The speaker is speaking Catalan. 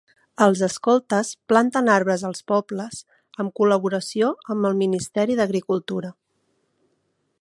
Els escoltes planten arbres als pobles en col·laboració amb el Ministeri d'Agricultura.